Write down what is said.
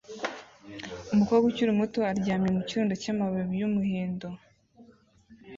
Umukobwa ukiri muto aryamye mu kirundo cyamababi yumuhindo